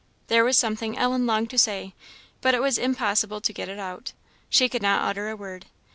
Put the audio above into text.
There was something Ellen longed to say, but it was impossible to get it out she could not utter a word.